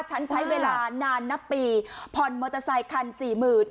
ใช้เวลานานนับปีผ่อนมอเตอร์ไซคันสี่หมื่น